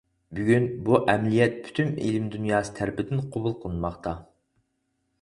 بۈگۈن بۇ ئەمەلىيەت پۈتۈن ئىلىم دۇنياسى تەرىپىدىن قوبۇل قىلىنماقتا.